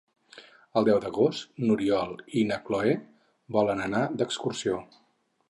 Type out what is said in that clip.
El deu d'agost n'Oriol i na Cloè volen anar d'excursió.